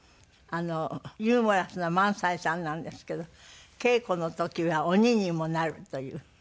ユーモラスな萬斎さんなんですけど稽古の時には鬼にもなるという。